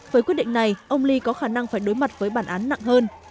với quyết định này ông lee có khả năng phải đối mặt với bản án nặng hơn